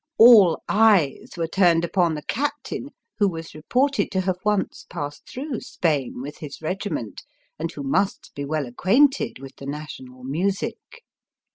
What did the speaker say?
All eyes were turned upon the captain, who was reported to have once passed through Spain with his regiment, and who must be well acquainted with the national music.